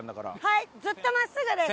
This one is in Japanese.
はいずっと真っすぐです。